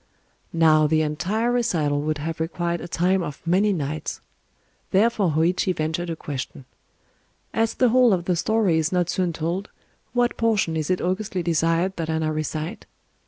Now the entire recital would have required a time of many nights: therefore Hōïchi ventured a question:— "As the whole of the story is not soon told, what portion is it augustly desired that I now recite?"